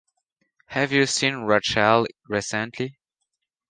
Have you seen Rachael recently.